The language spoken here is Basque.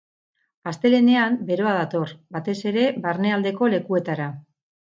Astelehenean beroa dator, batez ere barnealdeko lekuetara.